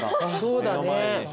そうだね。